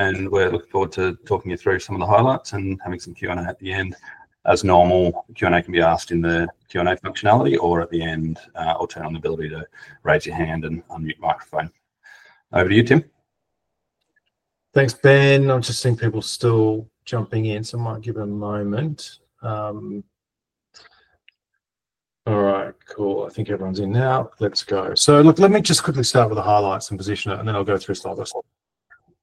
We're looking forward to talking you through some of the highlights and having some Q&A at the end. As normal, Q&A can be asked in the Q&A functionality, or at the end, I'll turn on the ability to raise your hand and unmute microphone. Over to you, Tim. Thanks, Ben. I'm just seeing people still jumping in, so I might give a moment. All right, cool. I think everyone's in now. Let's go. Let me just quickly start with the highlights and position it and then I'll go through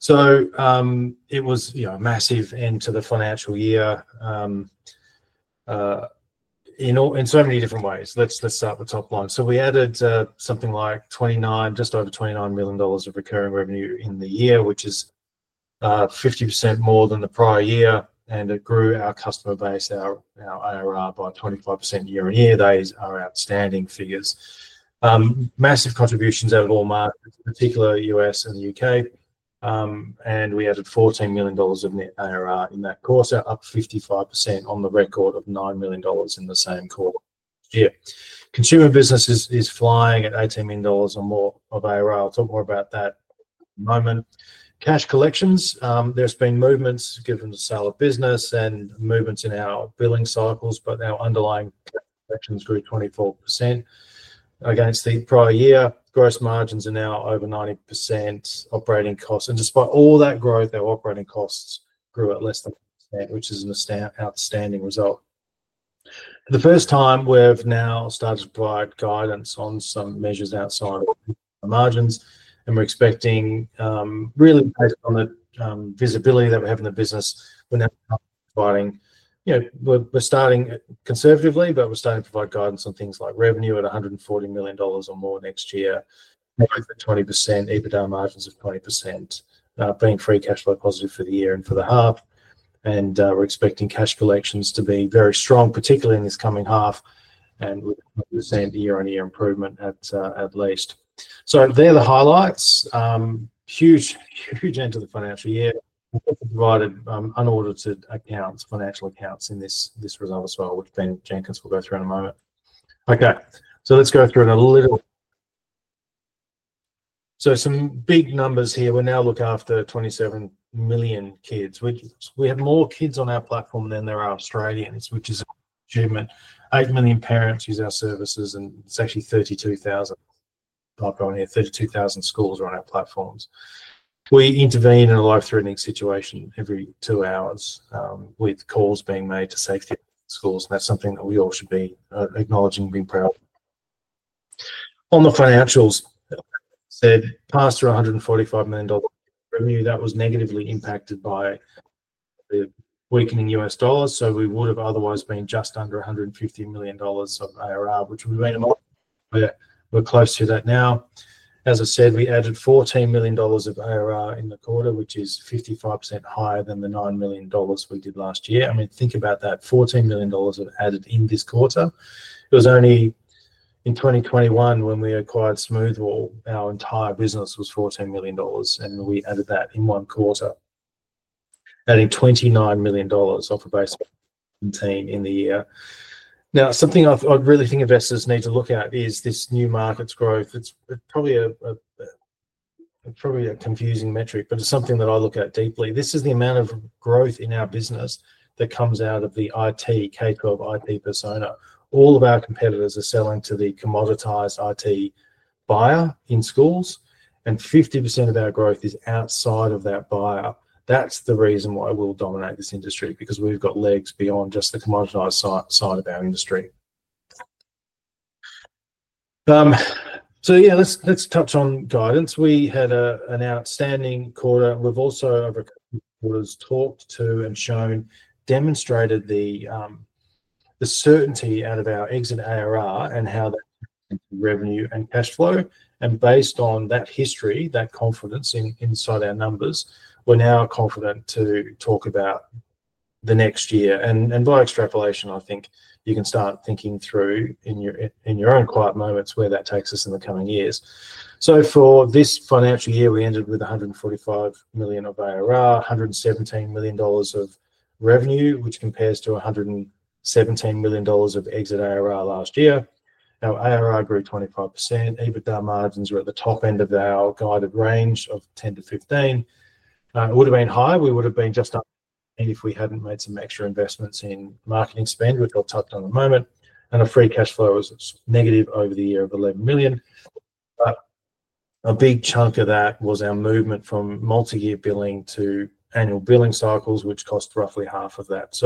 solvers. It was a massive end to the financial year in so many different ways. Let's start with top line. We added something like 29, just over 29 million dollars of recurring revenue in the year, which is 50% more than the prior year. It grew our customer base, our ARR, by 25% year-on-year. Those are outstanding figures. Massive contributions at Walmart, particularly U.S. and the UK. We added 14 million dollars of net ARR in that course, up 55% on the record of 9 million dollars in the same quarter. Consumer business is flying at 18 million dollars or more of ARR. I'll talk more about that moment. Cash collections, there's been movements given the sale of business and movements in our billing cycles, but now underlying grew 24% against the prior year. Gross margins are now over 90%. Despite all that growth, our operating costs grew at less than, which is an outstanding result the first time. We've now started to provide guidance on some measures outside margins. We're expecting really on the visibility that we have in the business we're now providing. We're starting conservatively, but we're starting to provide guidance on things like revenue at 140 million dollars or more next year, EBITDA margins of 20%, being free cash flow positive for the year and for the half. We're expecting cash collections to be very strong, particularly in this coming half and the same year-on-year improvement, at least. They're the highlights. Huge, huge end of the financial year. Unaudited accounts, financial accounts in this result as well, which Ben Jenkins will go through in a moment. Let's go through it a little. Some big numbers here. We now look after 27 million kids, which we had more kids on our platform than there are Australians, which is an achievement. Eight million parents use our services. It's actually 32,000, 32,000 schools are on our platforms. We intervene in a life-threatening situation every two hours with calls being made to safety schools. That's something that we all should be acknowledging, being proud on the financials. Past 145 million, knew that was negatively impacted by the weakening U.S. dollars. We would have otherwise been just under 150 million dollars of ARR, which we made a multiple. Yeah, we're close to that now. As I said, we added 14 million dollars of ARR in the quarter, which is 55% higher than the 9 million dollars we did last year. I mean, think about that 14 million dollars added in this quarter. It was only in 2021 when we acquired Smoothwall, our entire business was 14 million dollars and we added that in one quarter, adding 29 million dollars off a base in the year. Now, something I really think investors need to look at is this new markets growth. It's probably a confusing metric, but it's something that I look at deeply. This is the amount of growth in our business that comes out of the IT K-12 IT Persona. All of our competitors are selling to the commoditized IT buyer in schools and 50% of our growth is outside of that buyer. That's the reason why we'll dominate this industry because we've got legs beyond just the commoditized side of our industry. Let's touch on guidance. We had an outstanding quarter. We've also over quarters talked to and shown, demonstrated the certainty out of our exit ARR and how revenue and cash flow and based on that history, that confidence inside our numbers, we're now confident to talk about the next year. By extrapolation, I think you can start thinking through in your own quiet moments where that takes us in the coming years. For this financial year, we ended with 145 million of ARR, 117 million dollars of revenue, which compares to 117 million dollars of exit ARR last year. Now, ARR grew 25%. EBITDA margins were at the top end of our guided range of 10%-15%. It would have been high, we would have been just up if we hadn't made some extra investments in marketing spend, which I'll touch on in a moment. The free cash flow was negative over the year of 11 million, but a big chunk of that was our movement from multi-year billing to annual billing cycles, which cost roughly half of that.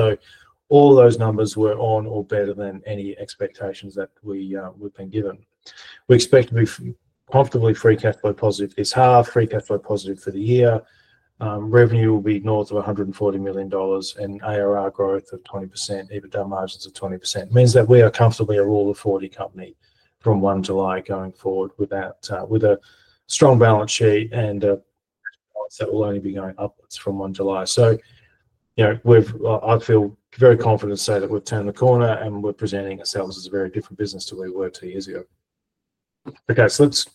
All those numbers were on or better than any expectations that we would be given. We expect to move comfortably. Free cash flow positive is half free cash flow positive for the year. Revenue will be north of 140 million dollars and ARR growth at 20%. EBITDA margins of 20% means that we are comfortably a rule of 40 company from 1 July going forward with a strong balance sheet. It will only be going upwards from 1 July. You know we've, I feel very confident to say that we've turned the corner and we're presenting ourselves as a very different business to where we were two years ago. Let's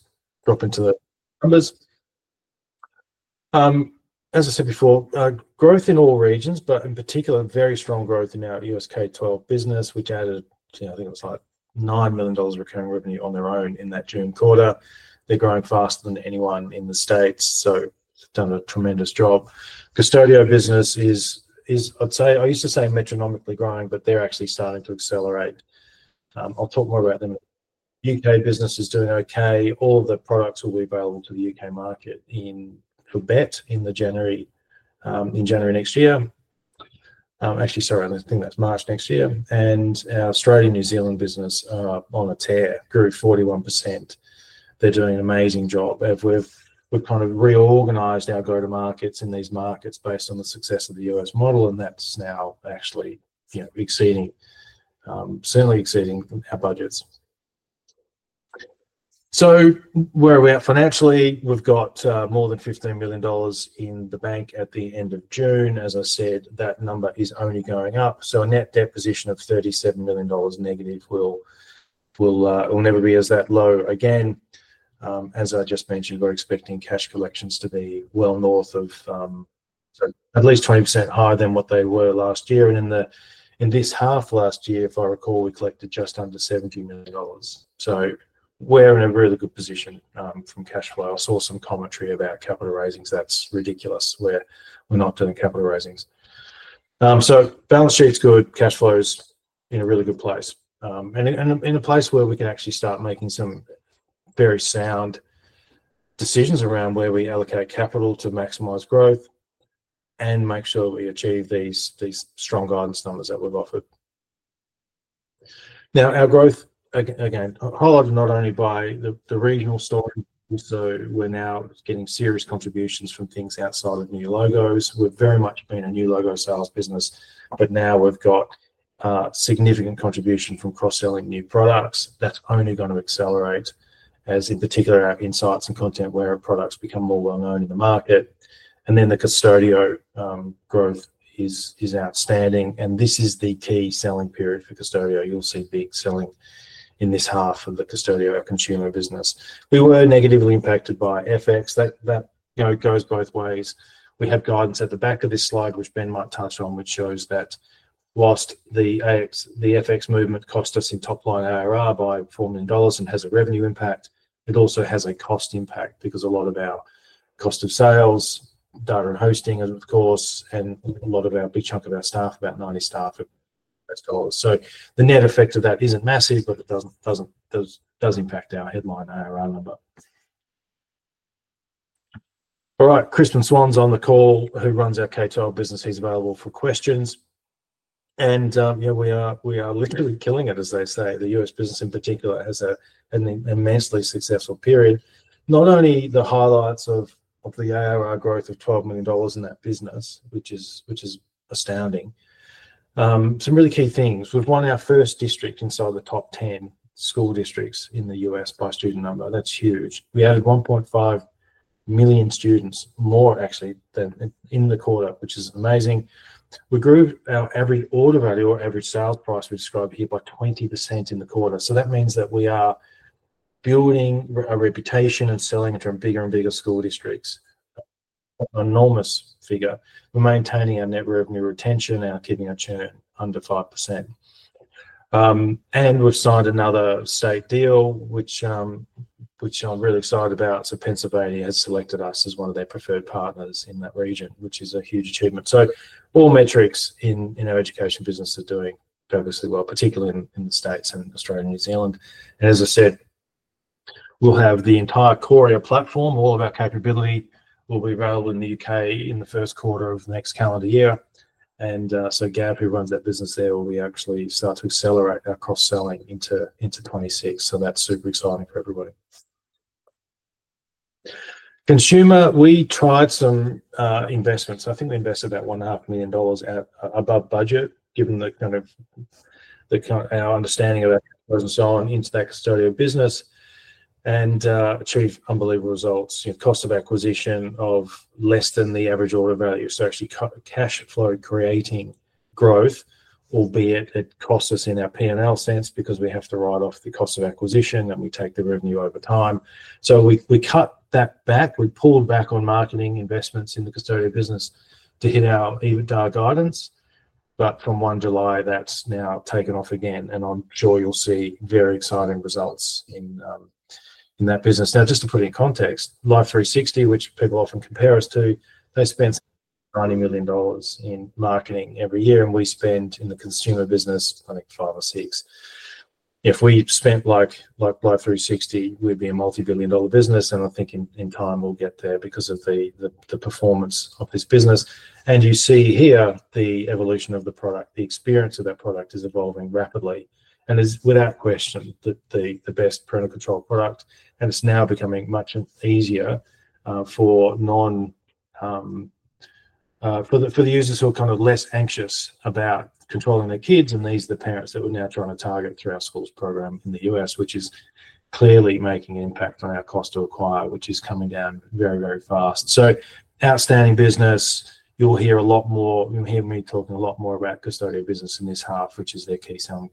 drop into the numbers. As I said before, growth in all regions, but in particular very strong growth in our U.S. K-12 business, which added, I think it was like 9 million dollars recurring revenue on their own in that June quarter. They're growing faster than anyone in the States. Done a tremendous job. Custodio business is, I'd say, I used to say metronomically growing, but they're actually starting to accelerate. I'll talk more about them. UK business is doing okay. All the products will be available to the UK market in Quebec in January next year actually. Sorry, I think that's March next year. Our Australia New Zealand business grew 41%. They're doing an amazing job. We've kind of reorganized our go-to-markets in these markets based on the success of the U.S. model and that's now actually, yeah, certainly exceeding our budgets. Where we are financially, we've got more than 15 million dollars in the bank at the end of June. As I said, that number is only going up. A net deposition of 37 million dollars negative will never be as that low again. As I just mentioned, we're expecting cash collections to be well north of at least 20% higher than what they were last year. In this half last year, if I recall, we collected just under 70 million dollars. We're in a really good position from cash flow. I saw some commentary about capital raisings, that's ridiculous, we're not doing capital raisings. Balance sheet's good. Cash flow is in a really good place and in a place where we can actually start making some very sound decisions around where we allocate capital to maximize growth and make sure we achieve these strong guidance numbers that we've offered. Our growth again highlighted not only by the regional store. We're now getting serious contributions from things outside of new logos. We've very much been a new logo sales business, but now we've got significant contribution from cross-selling new products. That's only going to accelerate as, in particular, our Insights and Content Aware products become more well known in the market. The Custodio growth is outstanding. This is the key selling period for Custodio. You'll see the selling in this half of the Custodio app consumer business. We were negatively impacted by FX. That goes both ways. We have guidance at the back of this slide which Ben might touch on, which shows that whilst the FX movement cost us in top line ARR by 4 million dollars and has a revenue impact, it also has a cost impact because a lot of our cost of sales, data, and hosting of course, and a big chunk of our staff, about 90 staff. The net effect of that isn't massive, but it does impact our headline ARR number. Crispin Swan's on the call, who runs our K-12 business. He's available for questions, and yeah, we are literally killing it as they say. The U.S. business in particular has had an immensely successful period. Not only the highlights of the ARR growth of 12 million dollars in that business, which is astounding. Some really key things. We've won our first district inside the top 10 school districts in the U.S. by student number. That's huge. We added 1.5 million students, more actually than in the quarter, which is amazing. We grew our every order value or average sales price, which is over here, by 20% in the quarter. That means that we are building a reputation and selling to bigger and bigger school districts. Enormous figure. We're maintaining our net revenue retention, our tidbit churn under 5%. We've signed another state deal, which I'm really excited about. Pennsylvania has selected us as one of their preferred partners in that region, which is a huge achievement. All metrics in our education business are doing focus as well, particularly in states and Australia and New Zealand. As I said, we'll have the entire courier platform, all of our capability will be available in the UK in the first quarter of next calendar year. Gab, who runs that business there, will actually start to accelerate our cross-selling into 2026. That's super exciting for everybody. Consumer. We tried some investments. I think we invested about 1.5 million dollars above budget given our understanding of our into that Custodio business and achieved unbelievable results. Cost of acquisition of less than the average order value. Actually cash flow creating growth, albeit it costs us in our P&L sense because we have to write off the cost of acquisition and we take the revenue over time. We cut that back. We pulled back on marketing investments in the Custodio business to hit our EBITDA guidance. From 1 July that's now taken off again and I'm sure you'll see very exciting results in that business. Now, just to put in context, Life360, which people often compare us to, they spend 90 million dollars in marketing every year and we spend in the consumer business I think five or six. If we spent like Life360, we'd be a multi-billion dollar business. I think in time we'll get there because of the performance of this business. You see here the evolution of the product, the experience of that product is evolving rapidly and is without question the best parental control product. It's now becoming much easier for. Non. For the users who are kind of less anxious about controlling their kids. These are the parents that we're now trying to target through our schools program in the U.S., which is clearly making impact on our cost to acquire, which is coming down very, very fast. Outstanding business. You'll hear a lot more, you'll hear me talking a lot more about Custodio business in this half, which is their key selling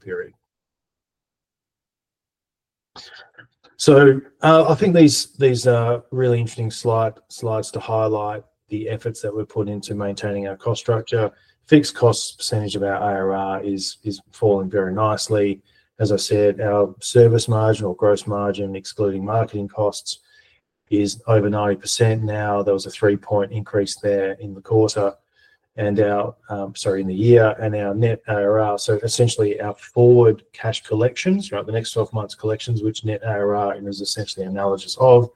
period. I think these are really interesting slides to highlight the efforts that we've put into maintaining our cost structure. Fixed cost % of our ARR is falling very nicely. As I said, our service margin or gross margin excluding marketing costs is over 90% now. There was a 0.3 increase there in the quarter and our, sorry, in the year and our net ARR. Essentially, our forward cash collections, the next 12 months collections, which net ARR is essentially analysis of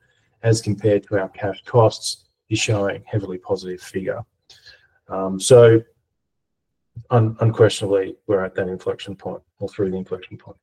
as compared to our CAC costs, is showing heavily positive figure. Unquestionably, we're at that inflection point or through the inflection point.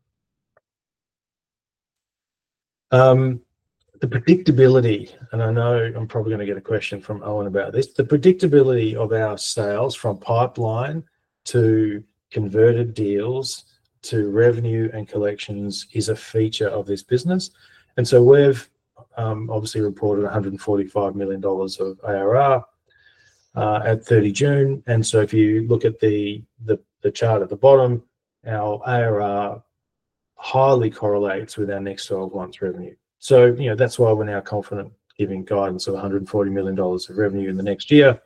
The predictability, and I know I'm probably going to get a question from Owen about this, the predictability of our sales from pipeline to converted deals to revenue and collections is a feature of this business. We've obviously reported 145 million dollars of arrangement at 30 June. If you look at the chart at the bottom, our ARR highly correlates with our next 12 months revenue. That's why we're now confident giving guidance of 140 million dollars of revenue in the next year.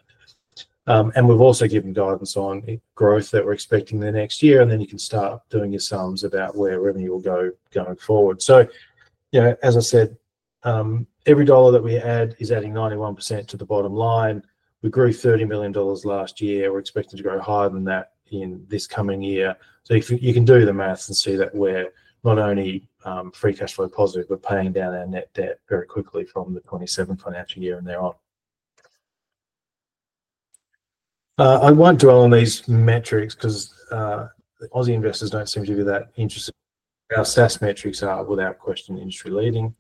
We've also given guidance on growth that we're expecting the next year. You can start doing your sums about where revenue will go going forward. As I said, every dollar that we add is adding 91% to the bottom line. We grew 30 million dollars last year. We're expected to grow higher than that in this coming year. You can do the maths and see that we're not only free cash flow positive, we're paying down our net debt very quickly from the 2027 financial year. I won't dwell on these metrics because Aussie investors don't seem to be that interested in our SaaS metrics. Metrics are without question industry leading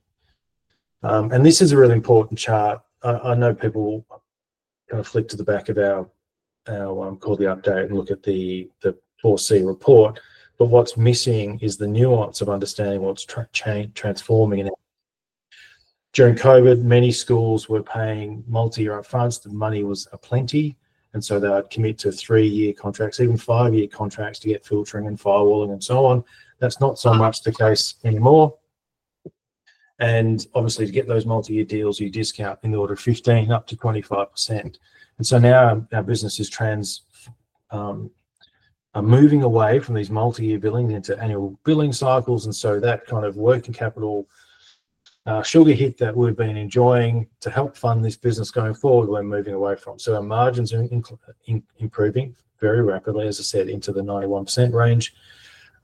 and this is a really important chart. I know people kind of flick to the back of our, called the update, and look at the 4C report. What's missing is the nuance of understanding what's transforming. During COVID many schools were paying multi-year upfronts, the money was aplenty and so they'd commit to three-year contracts, even five-year contracts to get filtering and firewalling and so on. That's not so much the case anymore. Obviously, to get those multi-year deals you discount in the order 15% up to 25%. Now our business trends are moving away from these multi-year billings into annual billing cycles. That kind of working capital hit that we've been enjoying to help fund this business going forward we're moving away from. Our margins are improving very rapidly, as I said, into the 91% range,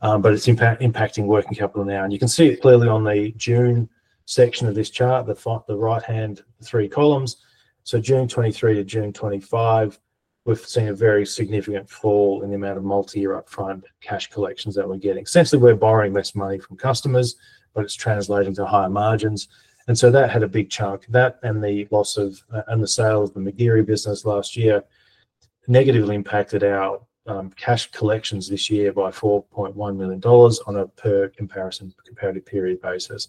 but it's impacting working capital now and you can see it clearly on the June section of this chart, the right-hand three columns. June 2023 to June 2025 we've seen a very significant fall in the amount of multi-year upfront cash collections that we're getting. Essentially, we're borrowing less money from customers but it's translating to higher margins. That had a big chunk, that and the loss of and the sale of the McGirry business last year negatively impacted our cash collections this year by 4.1 million dollars on a PER comparison comparative period basis.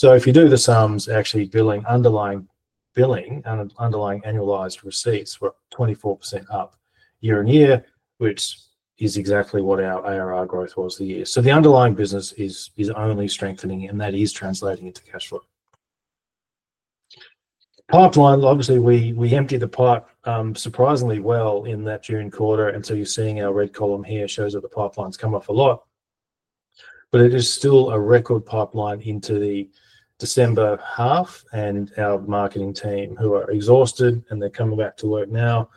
If you do the sums, actually billing, underlying billing and underlying annualized receipts were 24% up year-on-year, which is exactly what our ARR growth was the year. The underlying business is only strengthening and that is translating into cash flow pipeline. Obviously, we emptied the pipe surprisingly well in that June quarter. You're seeing our red column here shows that the pipeline's come off a lot but it is still a record pipeline into the December half. Our marketing team, who are exhausted and they're coming back to work now,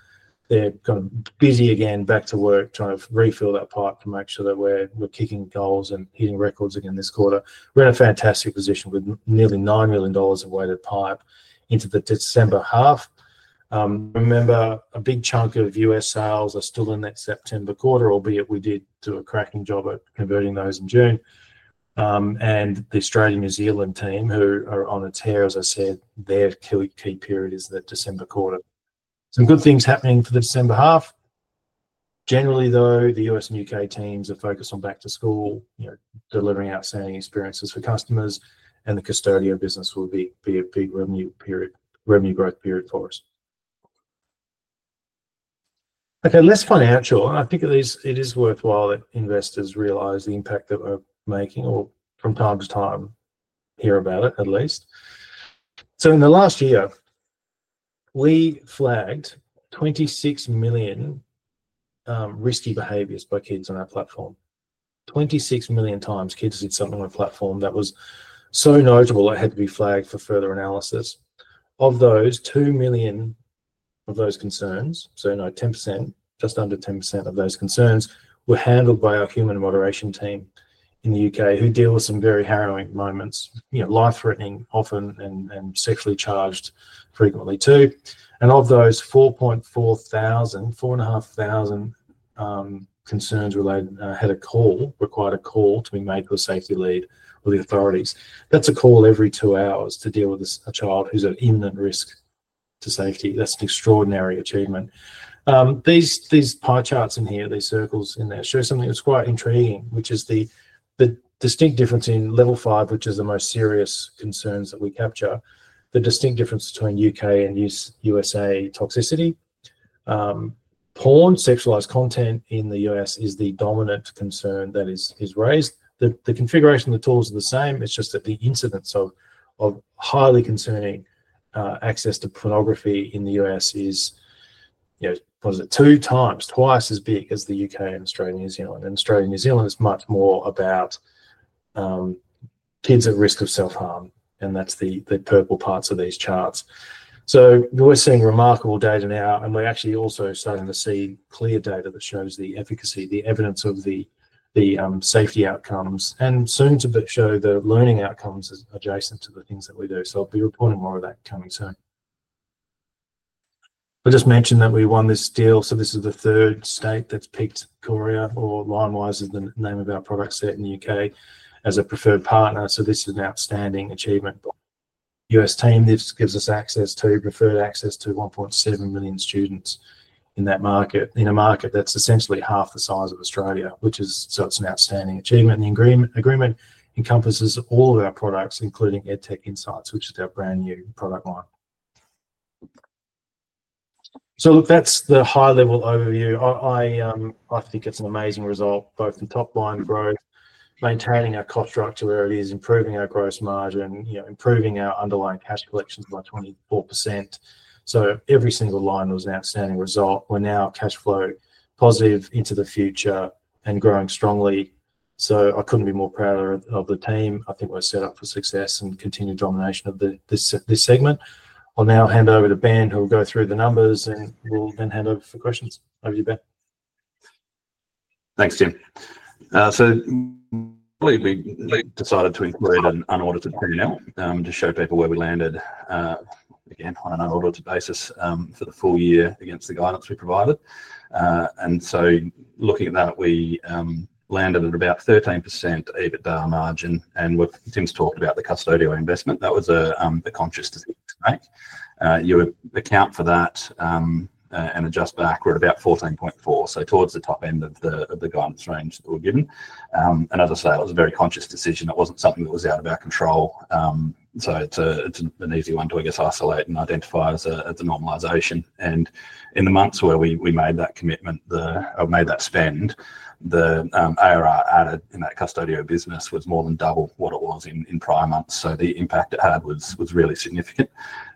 they've got busy again. Back to work trying to refill that pipe to make sure that we're kicking goals and hitting records again this quarter. We're in a fantastic position with nearly 9 million dollars of weighted pipe into the December half. Remember, a big chunk of U.S. sales are still in that September quarter, albeit we did do a cracking job at converting those in June. The Australian New Zealand team, who are on a tear as I said, their key period is the December quarter. Some good things happening for the December half. Generally though, the U.S. and UK teams are focused on back to school, you know, delivering outstanding experiences for customers. The Custodio business will be a big revenue period, revenue growth period for us. Okay. Less financial. I think it is worthwhile that investors realize the impact that we're making or from time to time hear about it at least. In the last year we flagged 26 million risky behaviors by kids on our platform. 26 million times kids did something on a platform that was so notable it had to be flagged for further analysis. Of those, 2 million of those concerns, so just under 10% of those concerns, were handled by our human moderation team in the UK who deal with some very harrowing moments. You know, life threatening often and sexually charged frequently too. Of those, 4,400, four and a half thoU.S.And concerns, required a call to be made to a safety lead with the authorities. That's a call every two hours to deal with a child who's at risk to safety. That's an extraordinary achievement. These pie charts in here, these circles in there, show something that's quite intriguing, which is the distinct difference in level five, which is the most serious concerns that we capture. The distinct difference between UK and U.S.A toxicity, porn, sexualized content in the U.S. is the dominant concern that is raised. The configuration of the tools are the same. It's just that the incidence of highly concerning access to pornography in the U.S. is two times as big as the UK and Australia. New Zealand and Australia and New Zealand is much more about incidents of risk of self harm and that's the purple parts of these charts. We're seeing remarkable data now and we're actually also starting to see clear data that shows the efficacy, the evidence of the safety outcomes, and soon to show the learning outcomes adjacent to the things that we do. I'll be reporting more of that coming soon. I just mentioned that we won this deal. This is the third state that's picked Victoria, or Limewize is the name of our product set in the UK, as a preferred partner. This is an outstanding achievement. U.S. team, this gives us preferred access to 1.7 million students in that market, in a market that's essentially half the size of Australia, which is such an outstanding achievement. The agreement encompasses all of our products, including EdTech Insights, which is our brand new product line. That's the high level overview. I think it's an amazing result, both the top line growth, maintaining our cost structure where it is, improving our gross margin, improving our underlying cash collections by 24%. Every single line was an outstanding result. We're now cash flow positive into the future and growing strongly. I couldn't be more proud of the team. I think we're set up for success and continued domination of this segment. I'll now hand over to Ben, who'll go through the numbers, and we'll then hand over for questions. Over to you, Ben. Thanks, Tim. We decided to include an unaudited personnel to show people where we landed again on an unaudited basis for the full year against the guidance we provided. Looking at that, we landed at about 13% EBITDA margin. Tim's talked about the Custodio investment. That was the conscious decision, right? You would account for that and adjust back. We're at about 14.4%. Towards the top end of the guidance range that we've given. As I say, it was a very conscious decision. It wasn't something that was out of our control. It's an easy one to, I guess, isolate and identify as a normalization. In the months where we made that commitment, made that spend, the ARR added in that Custodio business was more than double what it was in prior months. The impact it had was really significant.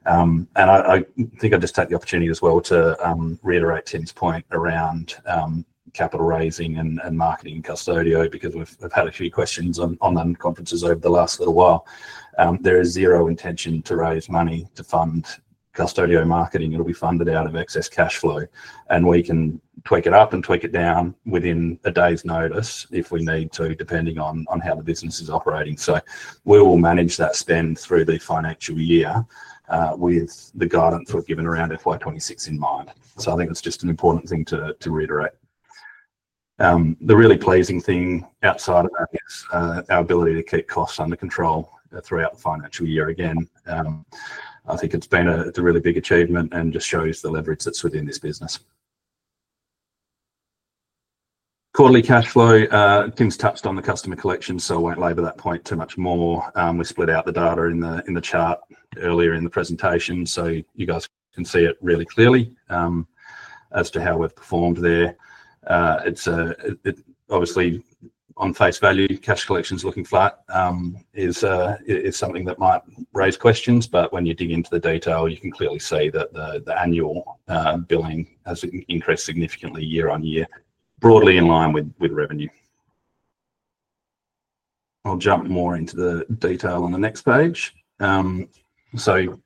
I think I'll just take the opportunity as well to reiterate Tim's point around capital raising and marketing and Custodio, because I've had a few questions on conferences over the last little while. There is zero intention to raise money to fund Custodio marketing. It'll be funded out of excess cash flow and we can tweak it up and tweak it down within a day's notice if we need to, depending on how the business is operating. We will manage that spend through the financial year with the guidance we've given around FY2026 in mind. I think it's just an important thing to reiterate the really pleasing thing. Outside of markets, our ability to keep. Costs under control throughout the financial year. Again, I think it's been a really big achievement and just shows the leverage that's within this business. Quarterly cash flow, things touched on the customer collection, so I won't labor that. Point too much more. We split out the data in the chart earlier in the presentation, so you guys can see it really clearly as to how we've performed there. It's obviously on face value. Cash collections looking flat is something that might raise questions, but when you dig into the detail, you can clearly see that the annual billing has increased significantly year-on-year, broadly in line with revenue. I'll jump more into the detail on the next page.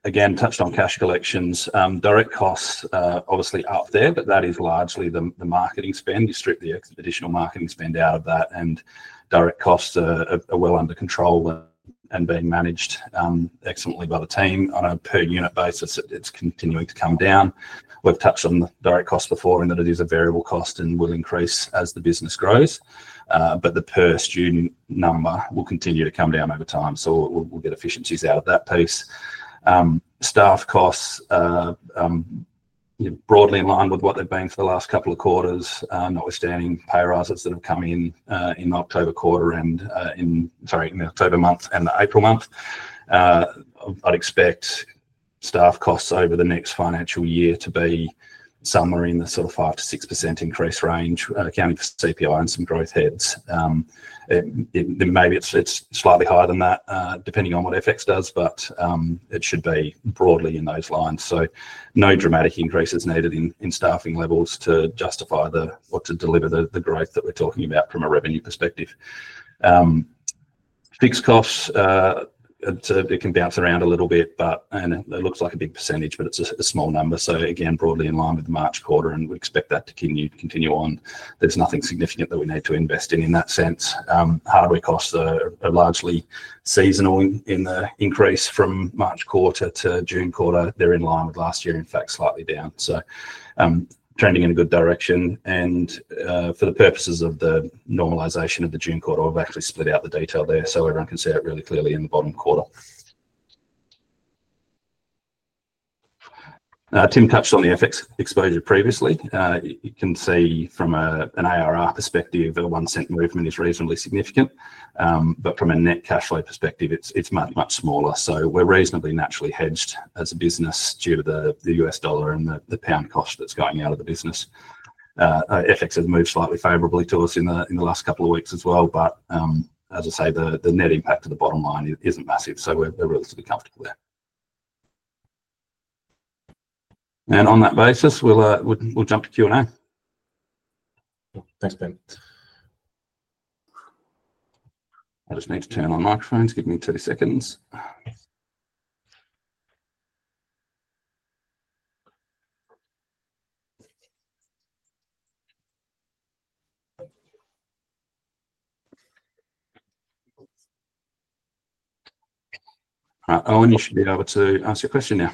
Again, touched on cash collections. Direct costs obviously up there, but that is largely the marketing spend. You strip the additional marketing spend out of that, and direct costs are well under control and being managed excellently by the team on a per unit basis. It's continuing to come down. We've touched on direct cost before and that it is a variable cost and will increase as the business grows, but the per student number will continue to come down over time, so we'll get efficiencies out of that piece. Staff costs broadly in line with what they've been for the last couple of quarters, notwithstanding pay rises that have come in October month and the April month. I'd expect staff costs over the next financial year to be somewhere in the sort of 5%-6% increase range. Accounting for CPI and some growth heads, maybe it's slightly higher than that, depending on what FX does, but it should be broadly in those lines. No dramatic increases needed in staffing levels to justify or to deliver the growth that we're talking about from a revenue perspective. Fixed costs, it can bounce around a little bit and it looks like a big %, but it's a small number. Again, broadly in line with the March quarter and we expect that to continue on. There's nothing significant that we need to invest in in that sense. Hardware costs are largely seasonal. In the increase from March quarter to June quarter, they're in line with last year, in fact, slightly down, so trending in good direction. For the purposes of the normalization of the June quarter, I've actually split out the detail there, so everyone can see it really clearly in the bottom. Tim touched on the FX exposure previously. You can see from an ARR perspective, a 0.01 movement is reasonably significant, but from a net cash flow perspective, it's much, much smaller. We're reasonably naturally hedged as a business due to the $ and the GBP cost that's going out of the business. FX have moved slightly favorably to us in the last couple of weeks as well. As I say, the net impact of the bottom line isn't massive. We're relatively comfortable there. On that basis, we'll jump to Q&A. Thanks, Ben. I just need to turn on microphones. Give me 30 seconds. You should be able to answer your question now.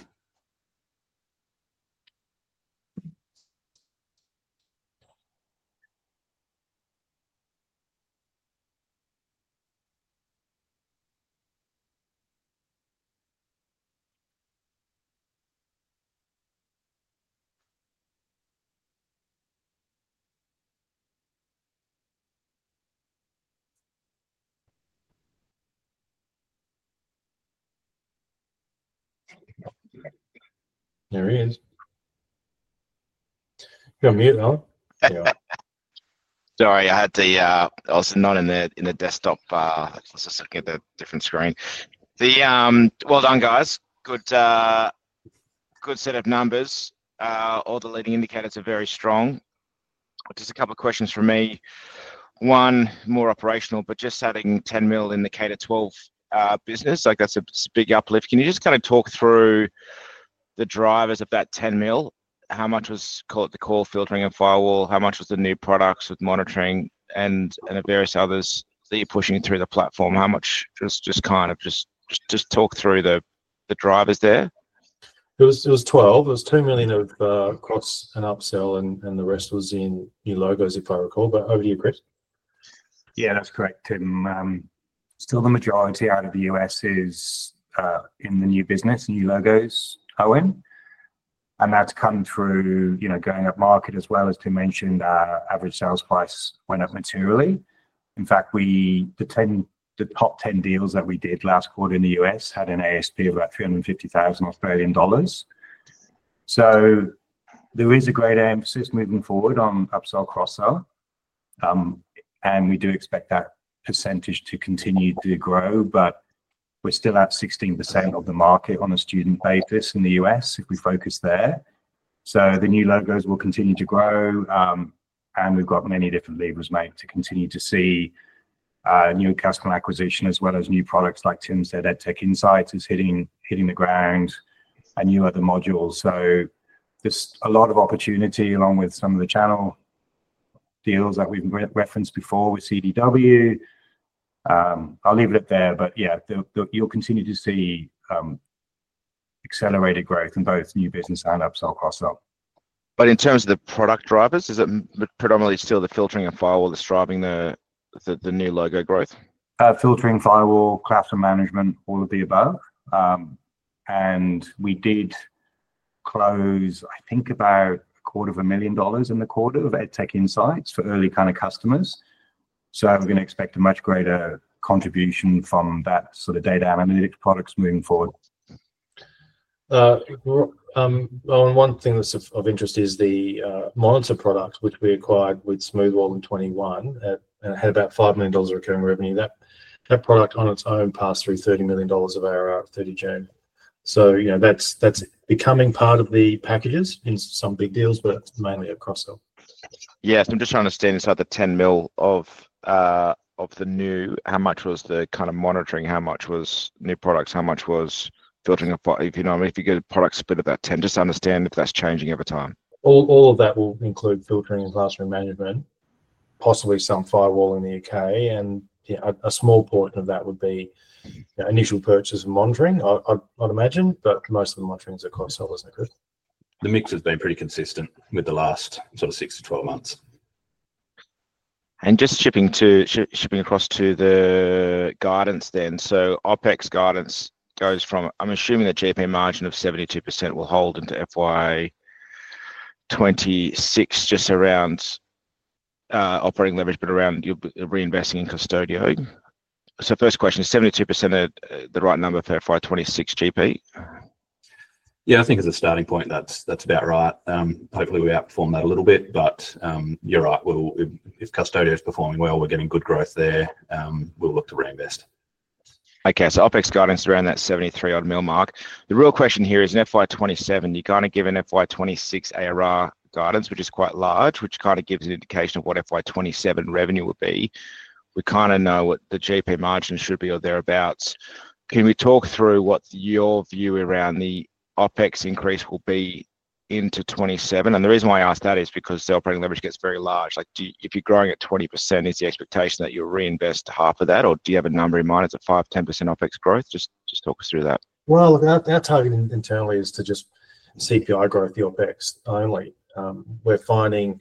Sorry, I had the. I was not in the desktop. Let's just look at the different screen. Well done, guys. Good, good set of numbers. All the leading indicators are very strong. Just a couple of questions for me. One more operational, but just adding 10 million in the K-12 business, like that's a big uplift. Can you just kind of talk through the drivers of that 10 million? How much was, call it the call filtering and firewall? How much was the new products with Monitor and various others that you're pushing through the platform? How much, just talk through the drivers there. It was 12. It was 2 million of cross and upsell, and the rest was in new logos if I recall. Over to you, Cris. Yeah, that's correct, Tim. Still the majority out of the U.S. is in the new business. New logos, Owen, and that's come through going up market as well. As Tim mentioned, average sales price went up materially. In fact, the top 10 deals that we did last quarter in the U.S. had an ASP of about 350,000 Australian dollars. There is a greater emphasis moving forward on upsell, cross-sell, and we do expect that % to continue to grow. We're still at 16% of the market on a student basis in the U.S. if we focus there. The new logos will continue to grow and we've got many different levers made to continue to see new customer acquisition as well as new products. Like Tim said, EdTech Insights is hitting the ground and new other modules. There's a lot of opportunity along with some of the channel deals that we've referenced before with CDW. I'll leave it up there. You'll continue to see accelerated growth in both new business and upsell cost. In terms of the product drivers, is it predominantly still the filtering and firewall that's driving the new logo growth? Filtering, firewall, craft and management? All of the above. We did close, I think, about 250,000 dollars in the quarter of EdTech Insights for early kind of customers. We are going to expect a much greater contribution from that sort of data analytics products moving forward. One thing that's of interest is the Monitor product, which we acquired with Smoothwall 2021, had about 5 million dollars of recurring revenue. That product on its own passed through 30 million dollars of ARR at 30 June. That's becoming part of the packages in some big deals, but mainly across sales. Yes, I'm just trying to understand inside the 10 million of the new, how much was the kind of monitoring, how much was new products, how much was filtering up? If you get a product split of that 10 million, just understand if that's changing over time. All of that will include filtering, classroom management, possibly some firewall in the UK, and a small portion of that would be initial purchase monitoring, I'd imagine. Most of the monitorings are quite solid. The mix has been pretty consistent. The last sort of six to 12. Months and just shipping to, shipping across to the guidance then. OpEx guidance goes from. I'm assuming that gross margin of 72% will hold into FY2026 just around operating leverage, but around your reinvesting in Custodio. First question, 72% the right number for FY2026 GP? Yeah, I think as a starting point that's about right. Hopefully we outperform that a little bit. You're right, if Custodio is performing well, we're getting good growth there, we'll look to reinvest. Okay, so OpEx guidance around that 73 million mark. The real question here is in FY2027 you're going to give an FY2026 ARR guidance which is quite large, which kind of gives an indication of what FY2027 revenue would be. We kind of know what the GP margin should be or thereabouts. Can we talk through what your view around the OpEx increase will be into 2027? The reason why I ask that is because the operating leverage gets very large. Like if you're growing at 20%, is the expectation that you'll reinvest half of that or do you have a number in mind? Is it a 5%, 10% OpEx growth? Just talk us through that. That target internally is to just CPI growth, your best only. We're finding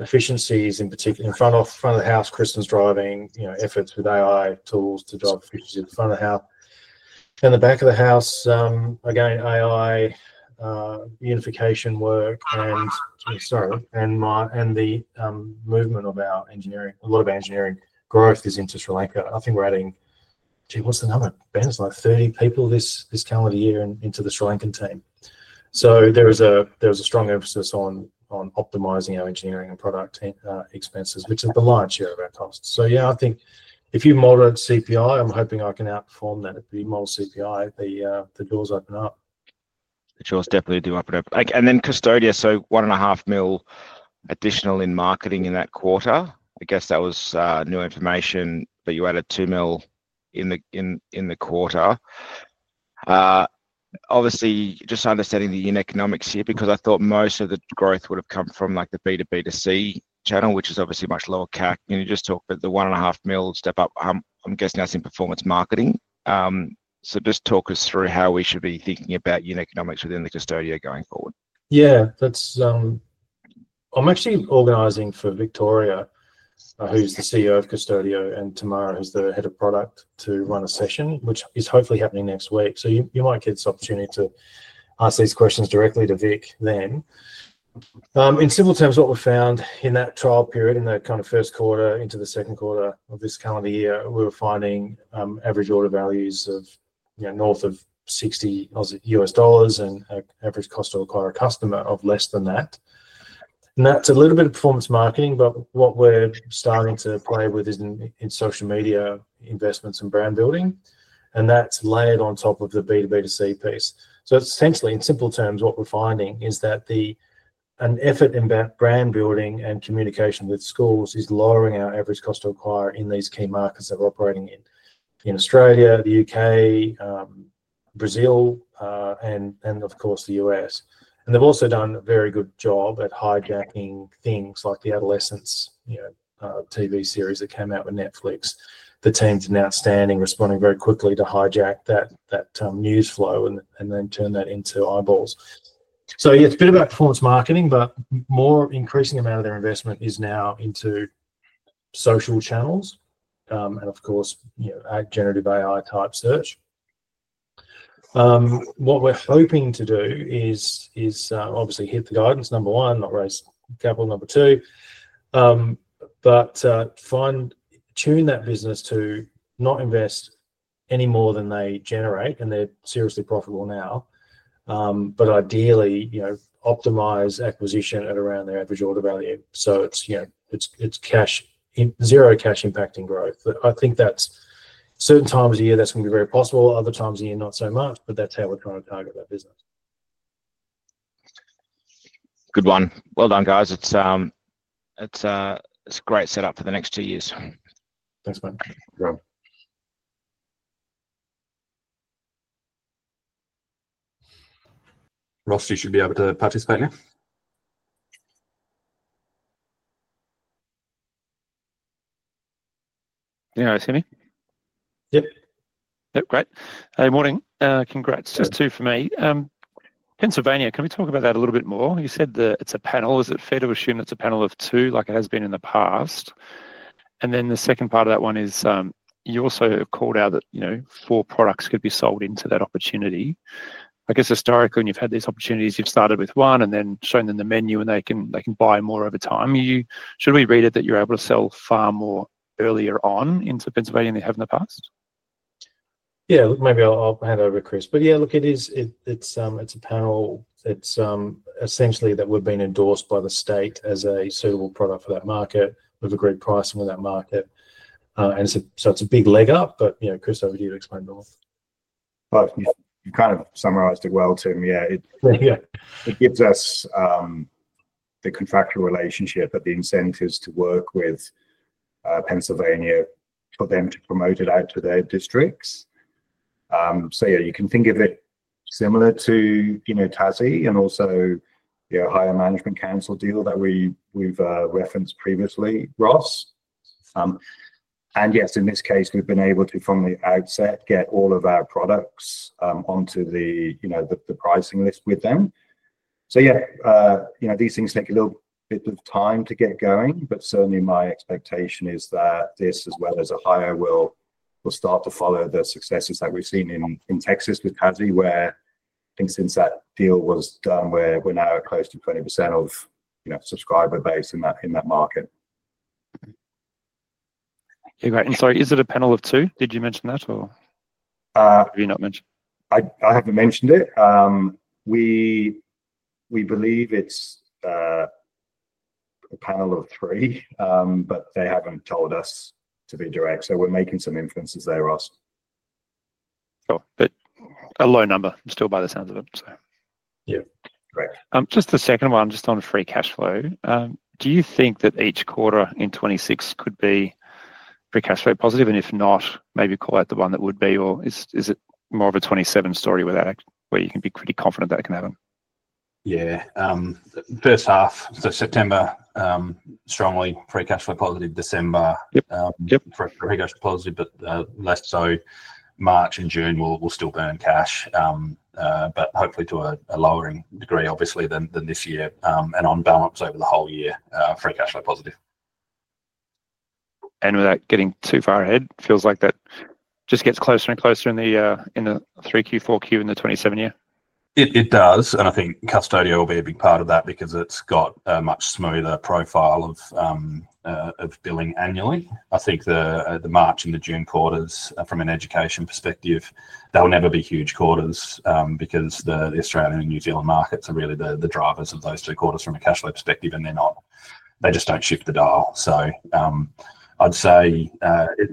efficiencies in particular in front of the house. Cris's driving efforts with AI tools to drop front of the house and the back of the house. Again, AI unification work and the movement of our engineering. A lot of engineering growth is into Sri Lanka. I think we're adding, gee, what's the number, Ben? It's like 30 people this calendar year into the Sri Lankan team. There is a strong emphasis on optimizing our engineering and product expenses, which is the large share of our cost. If you moderate CPI, I'm hoping I can outperform that at the MOL CPI. The doors open up. The doors definitely do open up. Then Custodio, 1.5 million additional in marketing in that quarter. I guess that was new information that you added 2 million in the quarter. Obviously, just understanding the unit economics here because I thought most of the growth would have come from the better beta C channel, which is obviously much lower CAC. You just talked about the 1.5 million step up. I'm guessing that's in performance marketing. Just talk us through how we should be thinking about unit economics within the Custodio going forward. Yeah, that's. I'm actually organizing for Victoria, who's the CEO of Custodio, and Tamara, who's the Head of Product, to run a session which is hopefully happening next week. You might get this opportunity to ask these questions directly to Vic. In simple terms, what we found in that trial period, in the first quarter into the second quarter of this calendar year, we were finding average order values of, you know, north of AUD 60 and average cost to acquire a customer of less than that. That's a little bit of performance marketing. What we're starting to play with is in social media investments and brand building. That's layered on top of the B2B2C piece. Essentially, in simple terms, what we're finding is that an effort in brand building and communication with schools is lowering our average cost to acquire in these key markets that we're operating in in Australia, the UK, Brazil, and of course the U.S.. They've also done a very good job at hijacking things like the Adolescents TV series that came out with Netflix. The team's outstanding, responding very quickly to hijack that news flow and then turn that into eyeballs. It's a bit about performance marketing, but more increasing amount of their investment is now into social channels and of course generative AI type search. What we're hoping to do is obviously hit the guidance number one, not raise capital number two, but tune that business to not invest any more than they generate, and they're seriously profitable now. Ideally, optimize acquisition at around their average order value. It's cash, zero cash impacting growth. I think at certain times a year, that's going to be very possible. Other times a year, not so much. That's how we're trying to target that business. Good one. Well done, guys. It's a great setup for the next two years. Thanks, man. Ross should be able to participate now. Anyways, hear me. Yep. Great morning. Congrats. Just two for me. Pennsylvania. Can we talk about that a little bit more? You said that it's a panel. Is it fair to assume that's a panel of two like it has been in the past? The second part of that one is you also called out that, you know, four products could be sold into that opportunity. I guess historically, when you've had these. Opportunities, you've started with one and then shown them the menu, and they can. They can buy more over time. Should we read it that you're able? To sell far more earlier on into Pennsylvania than you have in the past? Yeah, look, maybe I'll hand over, Cris. Yeah, look, it is, it's a panel. It's essentially that we've been endorsed by the state as a suitable product for that market with a great pricing of that market. It's a big leg up. Cris over here explained North. You kind of summarized it well, Tim. Yeah, it gives us the contractual relationship of the incentives to work with Pennsylvania for them to promote it out to their districts. You can think of it similar to Tassie and also the Ohio Management Council deal that we've referenced previously, Ross. Yes, in this case, we've been able to from the outset get all of our products onto the pricing list with them. These things take a little bit of time to get going, but certainly my expectation is that this as well as Ohio will start to follow the successes that we've seen in Texas with TASI, where I think since that deal was done, we're now close to 20% of subscriber base in that market. Is it a panel of two? Did you mention that? I haven't mentioned it. We believe it's a panel of. Three, but they haven't told us to be direct. We're making some inferences there. Ross. A low number still, by the sounds of it. So. Just the second one, just on free cash flow. Do you think that each quarter in 2026 could be free cash flow positive, and if not, maybe call out the. One that would be. Is it more of a 2027 story where you can be pretty confident? That it can happen? Yeah, first half. September strongly free cash flow positive. December precaution positive, but less so. March and June we'll still burn cash, but hopefully to a lowering degree, obviously, than this year. On balance, over the whole year, free cash flow positive. Without getting. Too far ahead feels like that just gets closer and closer in the 3Q, 4Q, in the 2027 year. It does. I think Custodio will be a big part of that because it's got a much smoother profile of billing annually. I think the March and the June quarters, from an education perspective, will never be huge quarters because the Australian and New Zealand markets are really the drivers of those two quarters from a cash flow perspective, and they're not. They just don't shift the dial. I'd say it's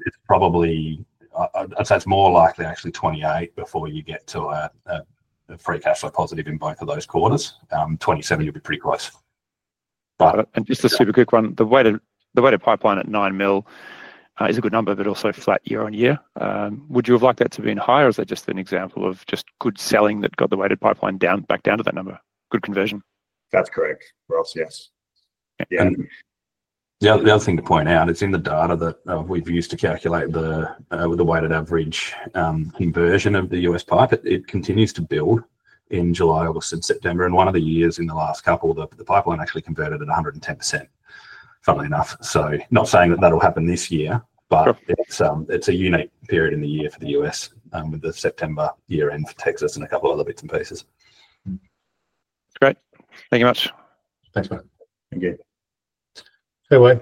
more likely actually 2028 before you get to free cash flow positive in both of those quarters. 2027, you'll be pre cash and. Just a super quick one. The weighted pipeline at 9 million is a good number, but also flat year-on-year. Would you have liked that to be higher or is that just an example of just good selling that got the weighted pipeline down, back down to that number? Good conversion. That's correct, Ross. Yes. The other thing to point out is in the data that we've used to calculate the weighted average inversion of the U.S. pipe, it continues to build in July, August, and September. One of the years in the last couple, the pipeline actually converted at 110%, funnily enough. Not saying that that'll happen this year, but it's a unique period in the year for the U.S. and with the September year end for Texas and a couple other bits and pieces. Great. Thank you very much. Thanks, mate. Thank you. Hey, Wayne,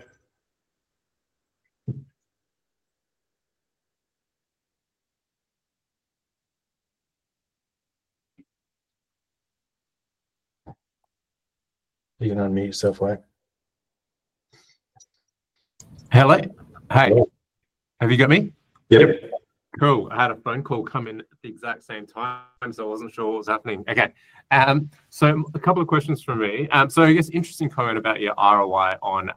you can unmute yourself. Hello? Hey, have you got me? Yep. Cool. I had a phone call come in. At the exact same time, I wasn't sure what was happening. Okay, a couple of questions for me. Interesting comment about your ROI on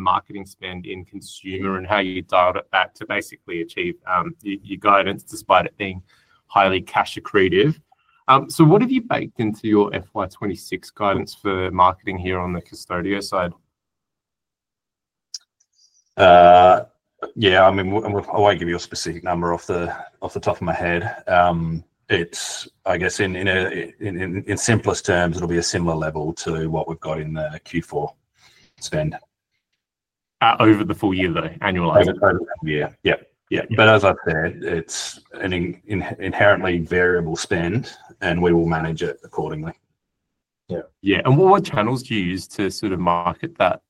marketing spend in consumer and how you dialed it back to basically achieve your guidance despite it being highly cash accretive. What have you baked into your FY2026 guidance for marketing here on the Custodio side? Yeah, I mean, I won't give you a specific number. Off the top of my head, it's, I guess in simplest terms, it'll be a similar level to what we've got in Q4 spend Over the. Full year though, annualized. Yeah. As I've said, it's an inherently variable spend, and we will manage it accordingly. Yeah. Yeah. What channels do you use to sort of market that?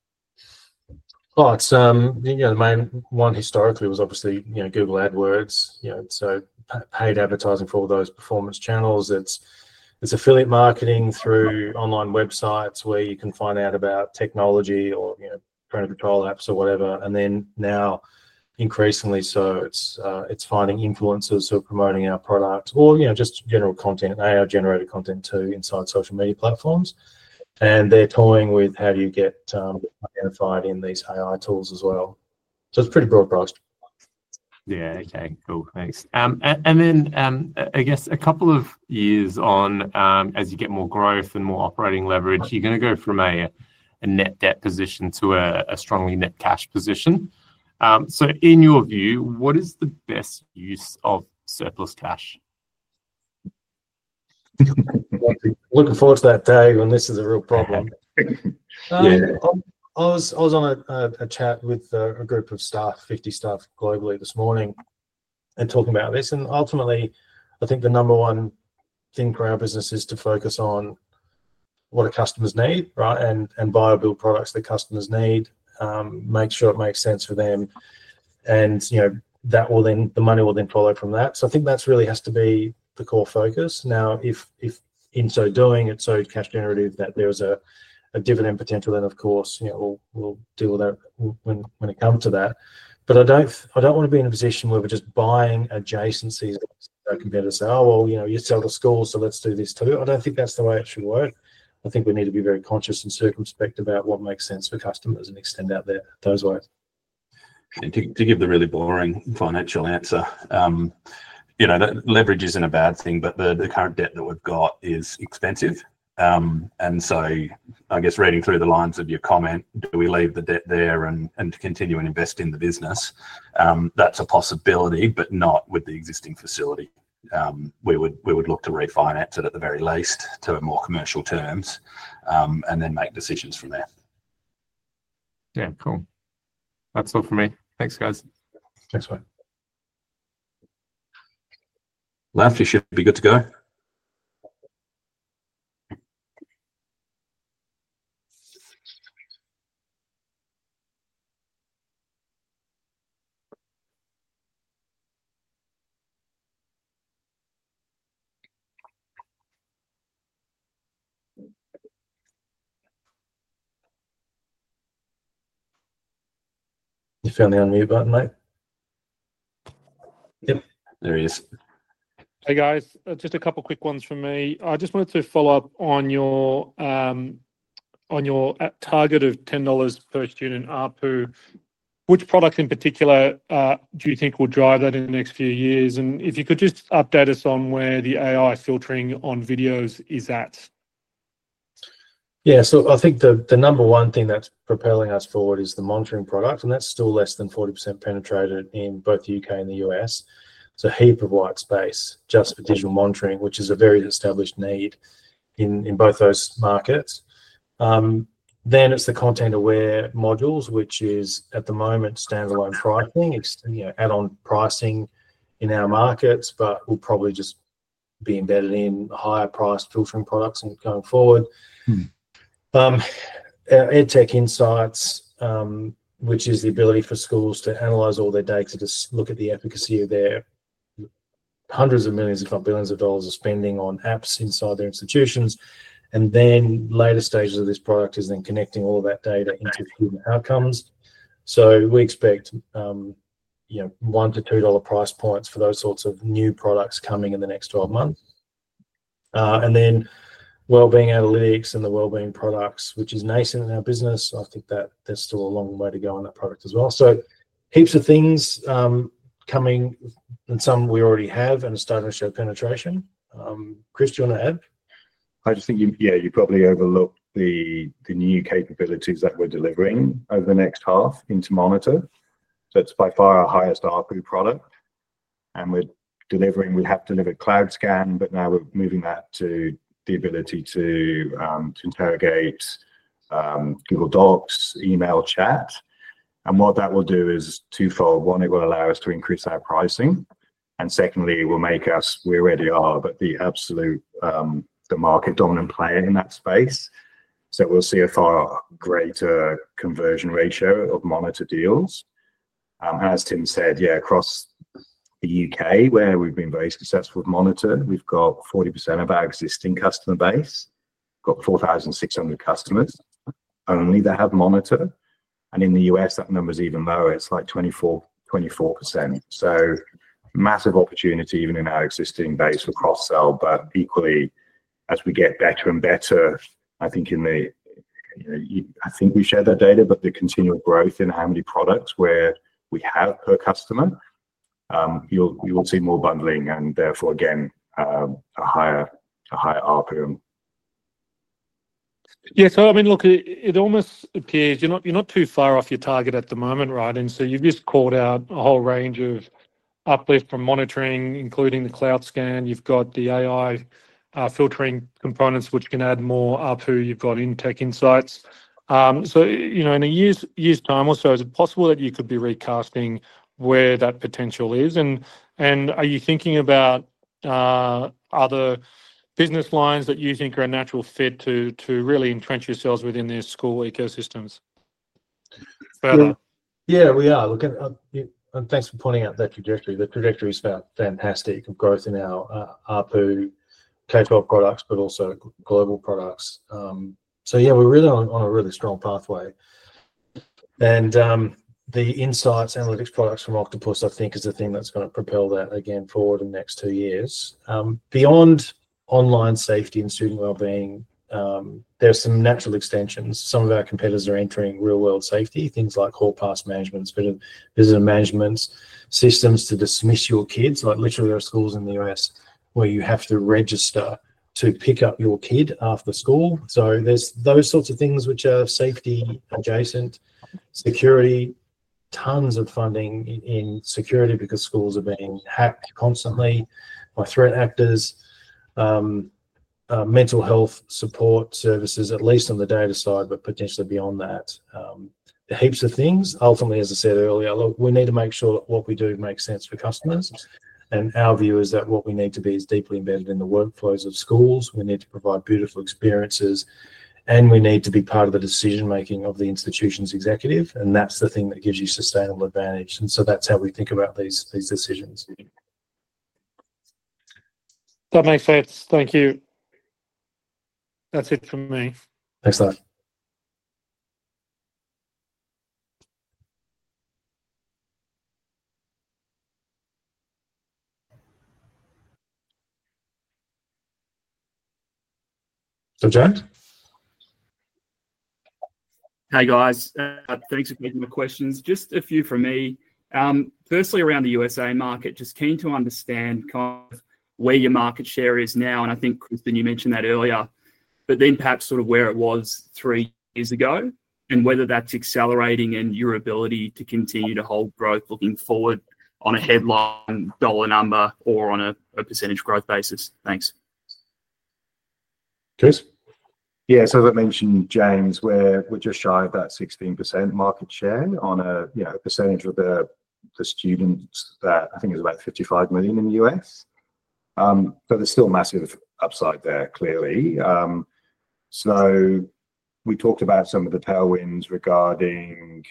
Oh, it's, you know, the main one historically was obviously, you know, Google AdWords, you know, so paid advertising for those performance channels. It's affiliate marketing through online websites where you can find out about technology or trainer patrol apps or whatever. Now increasingly it's finding influencers who are promoting our product or just general content, our generated content too inside social media platforms, and they're toying with how you get fighting these AI tools as well. It's pretty broad based. Yeah, okay, cool, thanks. I guess a couple of years on, as you get more growth and more operations, operating leverage, you're going to go from a net debt position to a strongly net cash position. In your view, what is the best use of surplus cash? Looking forward to that day when this is a real problem. I was on a chat with a group of staff, 50 staff globally this morning, and talking about this. Ultimately, I think the number one thing for our business is to focus on what our customers need and buy or build products that customers need, make sure it makes sense for them, and the money will then follow from that. I think that really has to be the core focus. If in so doing it's so cash generative that there's a dividend potential, then of course we'll deal with that when it comes to that. I don't want to be in a position where we're just buying adjacency. Competitors say, oh well, you know, you sell to school, so let's do this too. I don't think that's the way it should work. I think we need to be very conscious and circumspect about what makes sense for customers and extend out there those. To give the really boring financial answer, you know, leverage isn't a bad thing, but the current debt that we've got is expensive. I guess reading through the lines of your comment, we leave the debt there and continue and invest in the business. That's a possibility, but not with the existing facility. We would look to refinance it at the very least to more commercial terms and then make decisions from there. Yeah. Cool. That's all for me. Thanks guys. Thanks, mate. For sure. Be good to go. You found the unmute button, mate. There he is. Hey guys, just a couple quick ones for me. I just wanted to follow up on your target of 10 dollars per student ARPU. Which product in particular do you think will drive that in the next few years? If you could just update us on where the AI filtering on videos is at. Yeah, so I think the number one thing that's propelling us forward is the Monitor product, and that's still less than 40% penetrated in both the UK and the U.S. A heap of white space just for digital monitoring, which is a very established need in both those markets. It's the Content Aware modules, which is at the moment standalone, frightening. It's add-on pricing in our markets, but will probably just be embedded in higher-priced filtering products going forward. EdTech Insights, which is the ability for schools to analyze all their data to look at the efficacy of their hundreds of millions, if not billions, of dollars of spending on apps inside their institutions, and later stages of this product is then connecting all that data into outcomes. We expect, you know, 1 to 2 dollar price points for those sorts of new products coming in the next 12 months. The wellbeing analytics and the wellbeing products, which is nascent in our business, I think that there's still a long way to go on that product as well. Heaps of things coming and some we already have and start to show penetration. Cris, do you want to add. I just think, yeah, you probably overlook the new capabilities that we're delivering over the next half into Monitor. It's by far our highest ARPU product and we're delivering, we have delivered CloudScan, but now we're moving that to the ability to interrogate Google Docs, email, chat. What that will do is twofold. One, it will allow us to increase our pricing and secondly will make us, we already are, but the absolute, the market dominant player in that space. We'll see a far greater conversion ratio of Monitor deals, as Tim said. Across the UK where we've been very successful with Monitor, we've got 40% of our existing customer base, got 4,600 customers, only they have Monitor, and in the U.S. that number's even lower. It's like 24%. So massive opportunity even in our existing base for cross-selling. Equally, as we get better and better, I think in the, I think we shared that data. The continual growth in how many products we have per customer, you will see more bundling and therefore again, a higher, a higher ARPU. Yeah, I mean look, it almost appears you're not too far off your target at the moment. Right. You've just called out a whole range of uplift from Monitor, including the CloudScan. You've got the AI filtering components which can add more ARPU, you've got EdTech Insights. In a year's time or so, is it possible that you could be recasting where that potential is? Are you thinking about other business lines that you think are a natural fit to really entrench yourselves within their school ecosystems further? Yeah, we are, look, and thanks for pointing out that trajectory. The trajectory is fantastic growth in our ARPU K-12 products, but also global products. Yeah, we're really on a really strong pathway, and the insights analytics products from Octopus, I think, is the thing that's going to propel that again forward in the next two years. Beyond online safety and student wellbeing, there's some natural extensions. Some of our competitors are entering real world safety. Things like hall pass management, business management systems to dismiss your kids. Literally, there are schools in the U.S. where you have to register to pick up your kid after school. There's those sorts of things which are safety adjacent security, tons of funding in security because schools have been hacked constantly by threat actors, mental health support services, at least on the data side, but potentially beyond that, heaps of things. Ultimately, as I said earlier, look, we need to make sure that what we do makes sense for customers. Our view is that what we need to be is deeply embedded in the workflows of schools. We need to provide beautiful experiences, and we need to be part of the decision making of the institution's executive. That's the thing that gives you sustainable advantage. That's how we think about these decisions. That makes sense. Thank you. That's it for me. Thanks a lot. Hey guys, thanks for taking my questions. Just a few from me. Firstly, around the U.S.A market, just keen to understand where your market share is now. I think Crispin, you mentioned that earlier, but then perhaps sort of where it was three years ago and whether that's accelerating and your ability to continue to hold growth looking forward on a headline dollar number or on a % growth basis. Thanks. Cris. Yeah, so that mentioned James, where we're just shy of that 16% market share on a % of the students. I think it's about 55 million in the U.S., but there's still massive upside there, clearly. We talked about some of the tailwinds regarding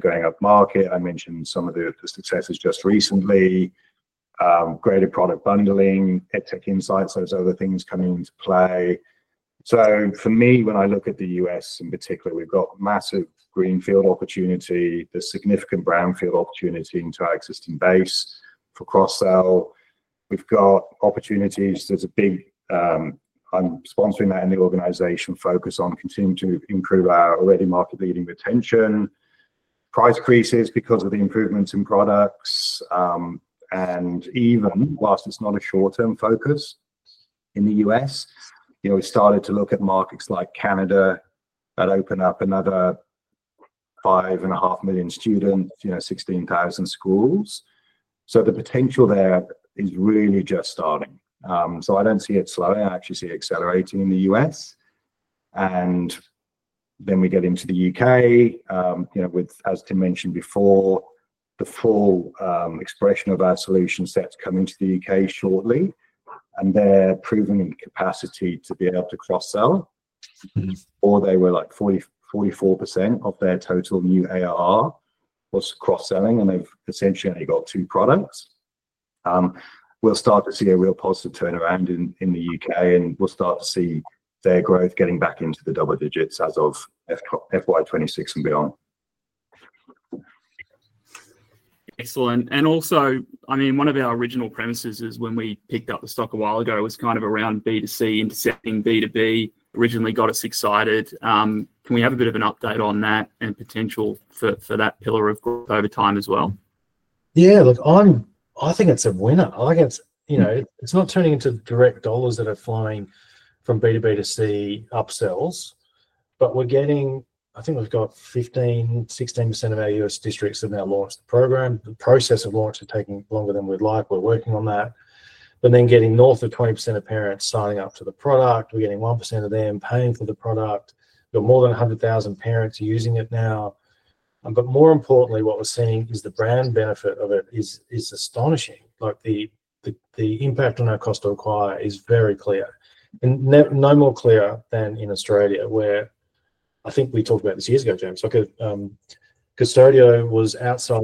going up market. I mentioned some of the successes just recently, greater product bundling, EdTech Insights, those other things coming into play. For me, when I look at the U.S. in particular, we've got massive greenfield opportunity, there's significant brownfield opportunity into our existing base for cross-sell. We've got opportunities, there's a big, I'm sponsoring that in the organization, focus on continuing to improve our already market-leading retention, price increases because of the improvements in products. Even whilst it's not a short-term focus in the U.S., you know, we started to look at markets like Canada that opened up another 5.5 million students, you know, 16,000 schools. The potential there is really just starting. I don't see it slowing. I actually see accelerating in the U.S., and then we get into the UK with, as Tim mentioned before, the full expression of our solution sets coming to the UK shortly, and they're proving capacity to be able to cross-sell, where they were like 44% of their total new ARR was cross-selling and they've essentially only got two products. We'll start to see a real positive turnaround in the UK and we'll start to see their growth getting back into the double digits as of FY2026 and beyond. Excellent. I mean one of our original premises is when we picked up the stock a while ago was kind of around B2C. Intercepting B2B originally got us excited. Can we have a bit of an update on that and potential for that pillar of growth over time as well? Yeah, look, I think it's a winner. I guess, you know, it's not turning into direct dollars that are flying from B2B2C upsells, but we're getting, I think we've got 15, 16% of our U.S. districts have now launched the program. The process of launch is taking longer than we'd like. We're working on that. Getting north of 20% of parents signing up to the product, we're getting 1% of them paying for the product, more than 100,000 parents using it now. More importantly, what we're seeing is the brand benefit of it is astonishing. The impact on our cost to acquire is very clear and no more clear than in Australia, where I think we talked about this years ago. James, look at Custodio was outside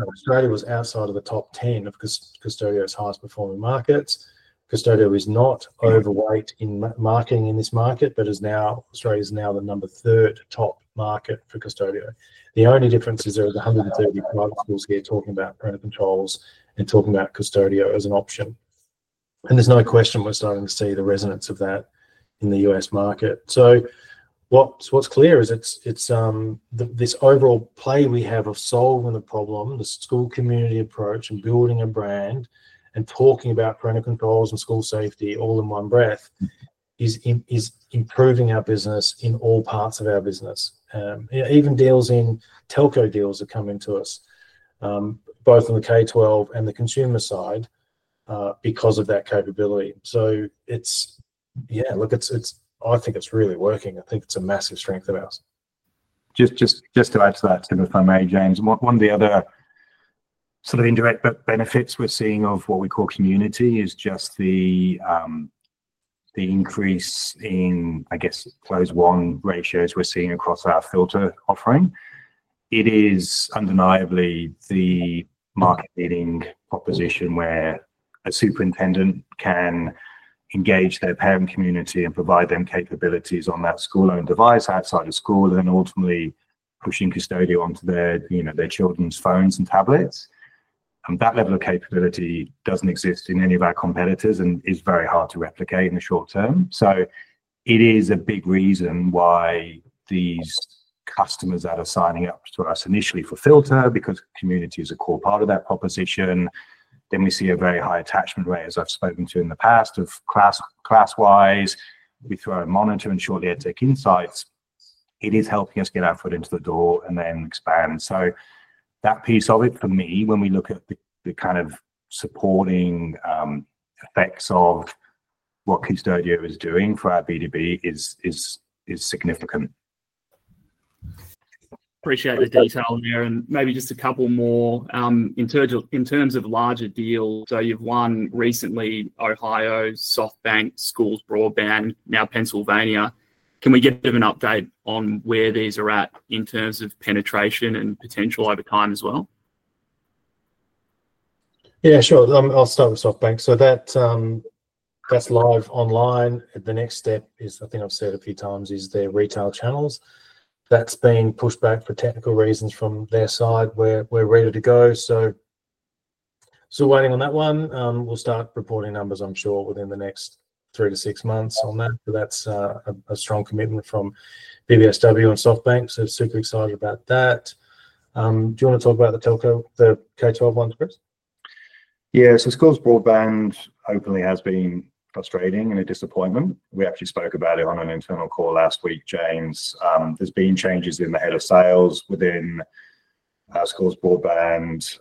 Australia, was outside of the top 10 of Custodio's highest performing markets. Custodio is not overweight in marketing in this market, but Australia is now the number three top market for Custodio. The only difference is there are the 130 multiple here talking about parental controls and talking about Custodio as an option, and there's no question we're starting to see the resonance of that in the U.S. market. What's clear is it's this overall play we have of solving the problem, the school community approach, and building a brand and talking about parental controls and school safety all in one breath is improving our business in all parts of our business. Even telco deals have come into us both on the K-12 and the consumer side because of that capability. Yeah, look, I think it's really working. I think it's a massive strength of ours. Just to add to that Tim, if I may James, one of the other sort of indirect benefits we're seeing of what we call Community is just the increase in, I guess, close won ratios we're seeing across our Filter offering. It is undeniably the market leading proposition where a superintendent can engage their parent community and provide them capabilities on that school owned device outside of school and ultimately pushing Custodio onto their, you know, their children's phones and tablets. That level of capability doesn't exist in any of our competitors and is very hard to replicate in the short term. It is a big reason why these customers that are signing up to us initially for Filter, because Community is a core part of that proposition. We see a very high attachment rate, as I've spoken to in the past, of Classwise. We throw in Monitor and shortly EdTech Insights. It is helping us get our foot into the door and then expand. That piece of it for me, when we look at the kind of supporting effects of what Custodio is doing for our B2B, is significant. Appreciate the detail there, and maybe just a couple more in terms of larger deals. You've won recently: Ohio Management Council, SoftBank, Schools Broadband, and now Pennsylvania. Can we get a bit of an update on where these are at in terms of penetration and potential over time as well? Yeah, sure. I'll start with SoftBank. That's live online. The next step is, I think I've said a few times, is their retail channels. That's being pushed back for technical reasons from their side. We're ready to go, still waiting on that one. We'll start reporting numbers, I'm sure, within the next three to six months on that. That's a strong commitment from BBSW on SoftBank. Super excited about that. Do you want to talk about the telco, the K-12 one, Cris? Yeah. Schools Broadband openly has been frustrating and a disappointment. We actually spoke about it on an internal call last week. James, there's been changes in the Head of Sales within our Schools Broadband.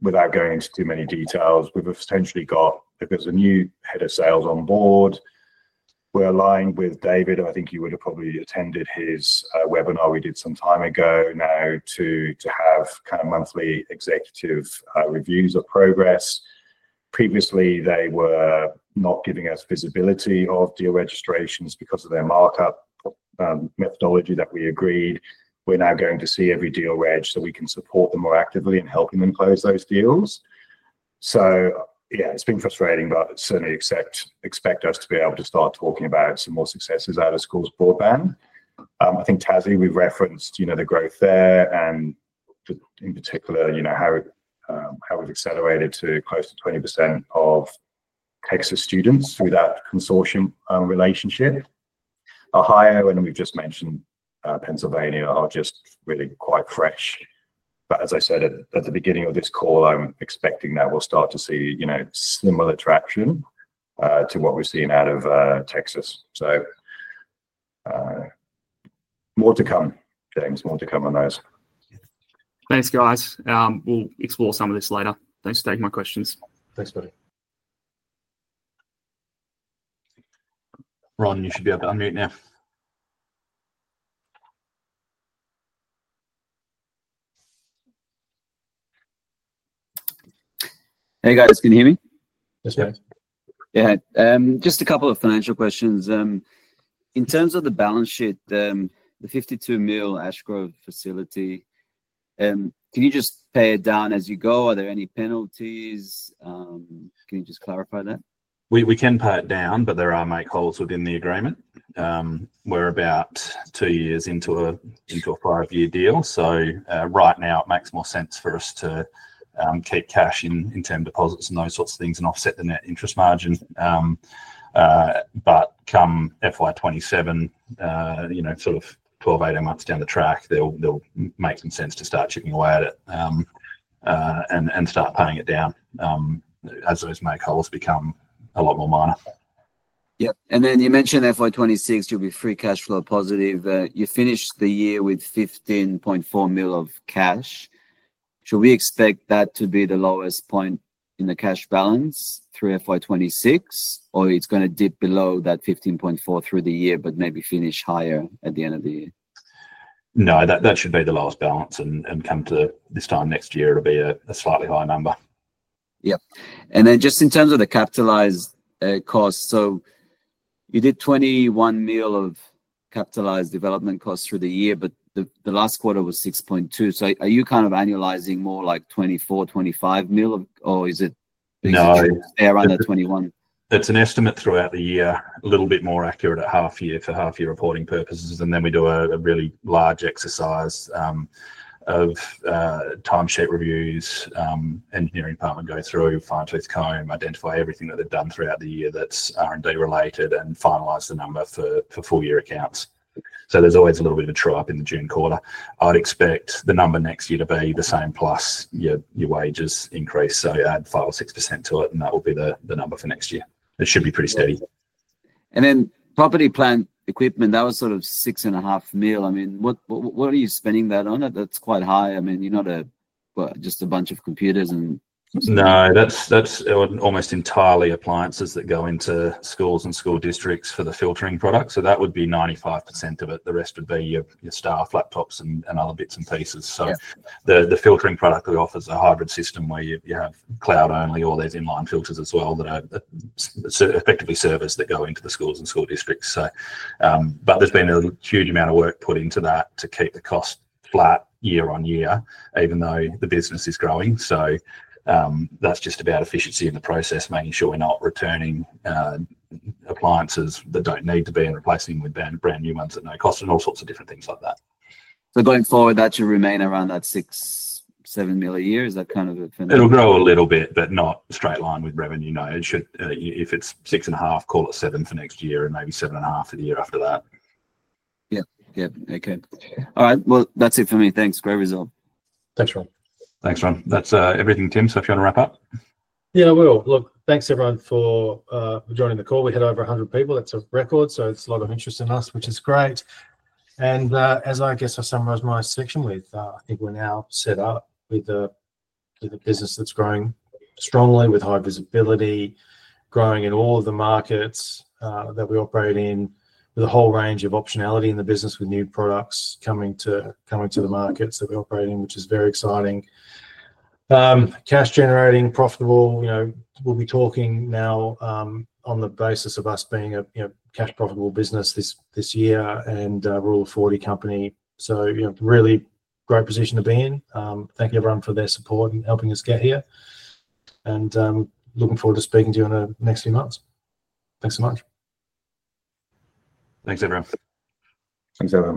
Without going into too many details, we've potentially got, if there's a new Head of Sales on board, we're aligned with David. I think he would have probably attended a webinar we did some time ago now to have kind of monthly executive reviews of progress. Previously, they were not giving us visibility of deal registrations because of their markup methodology that we agreed we're now going to see every deal reg so we can support them more actively in helping them close those deals. It's been frustrating, but certainly expect us to be able to start talking about some more successes out of Schools Broadband. I think Tassie, we've referenced the growth there and in particular how we've accelerated to close to 20% of Texas students through that consortium relationship. Ohio and we've just mentioned Pennsylvania are just really quite fresh. As I said at the beginning of this call, I'm expecting that we'll start to see similar traction to what we're seeing out of Texas. So. More to come, James, more to come on those. Thanks, guys. We'll explore some of this later. Thanks for taking my questions. Thanks, buddy. Ron, you should be able to unmute now. Hey guys, can you hear me? Yeah, just a couple of financial questions. In terms of the balance sheet, the 52 million Ashgrove facility, can you just pay it down as you go? Are there any penalties? Can you just clarify that? We can pay it down, but there are make holes within the agreement. We're about two years into a five-year deal, so right now it makes more sense for us to keep cash in term deposits and those sorts of things and offset the net interest margin. Come FY2027, you know, sort of 12, 18 months down the track, it'll make some sense to start chipping away at it and start paying it down as those make holes become a lot more minor. Yep. You mentioned FY2026. You'll be free cash flow positive. You finished the year with 15.4 million of cash. Should we expect that to be the lowest point in the cash balance through FY2026, or is it going to dip below that 15.4 million through the year, maybe finishing higher at the end of the year? No, that should be the last balance, and come this time next year it'll be a slightly higher number. Yep. In terms of the capitalized cost, you did 21 million of capitalized development costs through the year, but the last quarter was 6.2 million. Are you kind of annualizing more like 24 million, 25 million, or is it nearer under 21 million? It's an estimate throughout the year, a little bit more accurate at half year for half year reporting purposes. We do a really large exercise of timesheet reviews. The engineering department go through, find tooth comb, identify everything that they've done throughout the year that's R&D related, and finalize the number for full year accounts. There's always a little bit of. A true up in the June quarter. I'd expect the number next year to be the same, plus your wages increase. Add 5% or 6% to it and that will be the number for next year. It should be pretty steady. Property, plant, equipment, that was sort of 6.5 million. What are you spending that on? That's quite high. You're not just a bunch of computers and. No, that's almost entirely appliances that go into schools and school districts for the filtering product. That would be 95% of it. The rest would be your staff, laptops, and other bits and pieces. The filtering product we offer is a hybrid system where you have cloud only or there's inline filters as well that are effectively servers that go into the schools and school districts. There has been a huge amount of work put into that to keep the cost flat year-on-year, even though the business is growing. That is just about efficiency in the process, making sure we're not returning appliances that don't need to be and replacing with brand new ones at no cost and all sorts of different things like that. Going forward, that should remain around that 6 million, 7 million a year, that kind of. It'll grow a little bit, but not straight line with revenue. No, it should. If it's 6.5, call it 7 for next year and maybe 7.5 for the year after that. Yeah, yeah. Okay. All right, that's it for me. Thanks. Great result. Thanks, Ron. Thanks, Ron. That's everything, Tim. If you want to wrap up. Yeah, I will look. Thanks everyone for joining the call. We had over 100 people. It's a record. There's a lot of interest in us, which is great. As I summarize my section, I think we're now set up with a business that's growing strongly with high visibility, growing in all of the markets that we operate in, with a whole range of optionality in the business, with new products coming to the markets that we operate in, which is very exciting. Cash generating, profitable. We're talking now on the basis of us being a cash profitable business this year. We're all a 40 company, so really great position to be in. Thank you everyone for their support and helping us get here, and looking forward to speaking to you in the next few months. Thanks so much. Thanks everyone. Thanks everyone.